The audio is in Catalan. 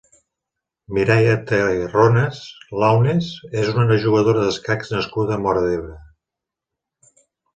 Mireia Terrones Launes és una jugadora d'escacs nascuda a Móra d'Ebre.